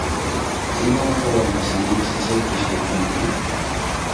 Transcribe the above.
¿Imawata wañuchinkichi chay pishkukunata?